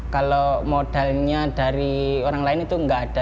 kalau modalnya dari orang lain itu nggak ada